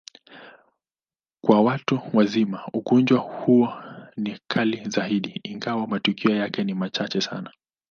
Kwa watu wazima, ugonjwa huo ni kali zaidi, ingawa matukio yake ni machache sana.